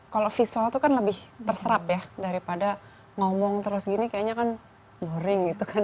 kalau visual itu kan lebih terserap daripada ngomong terus begini kayaknya kan boring